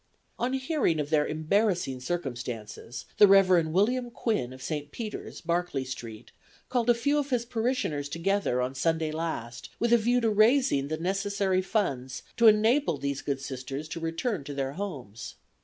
On hearing of their embarrassing circumstances, the Rev. William Quinn, of St. Peter's, Barclay street, called a few of his parishioners together on Sunday last with a view to raising the necessary funds to enable these good Sisters to return to their homes.